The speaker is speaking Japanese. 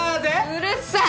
うるさい。